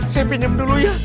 saya pinjem dulu ya